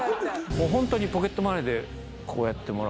もうホントにポケットマネーでこうやってもらうっていう。